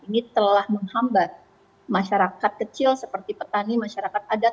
ini telah menghambat masyarakat kecil seperti petani masyarakat adat